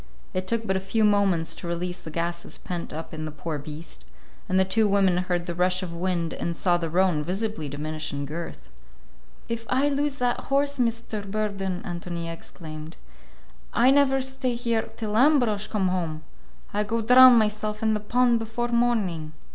It took but a few moments to release the gases pent up in the poor beast, and the two women heard the rush of wind and saw the roan visibly diminish in girth. "If I lose that horse, Mr. Burden," Ántonia exclaimed, "I never stay here till Ambrosch come home! I go drown myself in the pond before morning."